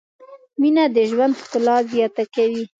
مینه د ژوند ښکلا زیاته کوي.